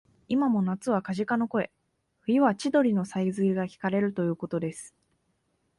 いまも夏はカジカの声、冬は千鳥のさえずりがきかれるということです